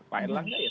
pak erlangga ya